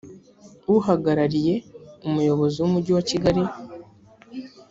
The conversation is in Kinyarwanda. uhagarariye umuyobozi w umujyi wa kigali